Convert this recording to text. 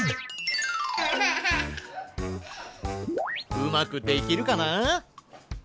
うまくできるかな？